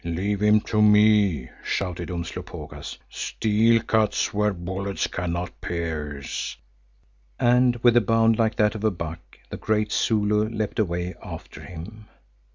"Leave him to me," shouted Umslopogaas. "Steel cuts where bullets cannot pierce," and with a bound like to that of a buck, the great Zulu leapt away after him.